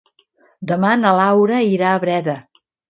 Demà na Laura irà a Breda.